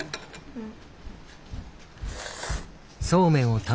うん。